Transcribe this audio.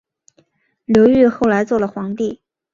刘裕后来做了皇帝。